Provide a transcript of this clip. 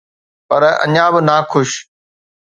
پر اڃا به ناخوش.